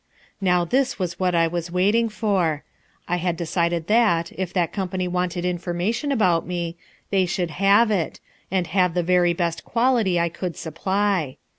Now this was what I was waiting for; I had decided that, if that company wanted information about me, they should have it, and have the very best quality I could supply.